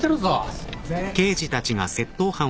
すいません。